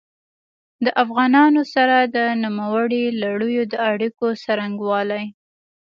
د افغانانو سره د نوموړي لړیو د اړیکو څرنګوالي.